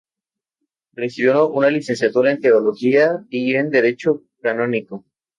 Recibió una licenciatura en Teología y en Derecho Canónico.